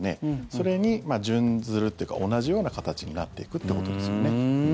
それに準ずるっていうか同じような形になっていくってことですよね。